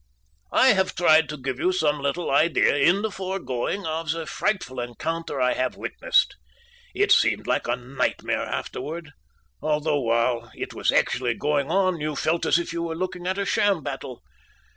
"I have tried to give you some little idea in the foregoing of the frightful encounter I have witnessed. It seemed like a nightmare afterward, although while it was actually going on you felt as if you were looking at a sham battle.